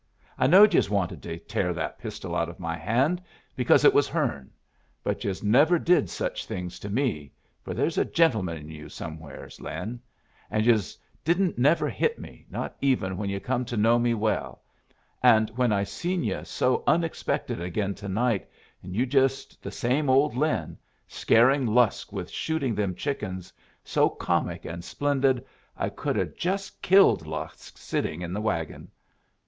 "I knowed yus wanted to tear that pistol out of my hand because it was hern. But yus never did such things to me, fer there's a gentleman in you somewheres, Lin. And yus didn't never hit me, not even when you come to know me well. And when I seen you so unexpected again to night, and you just the same old Lin, scaring Lusk with shooting them chickens, so comic and splendid, I could 'a' just killed Lusk sittin' in the wagon.